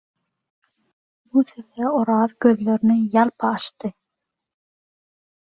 Bu sese Oraz gözlerini ýalpa açdy.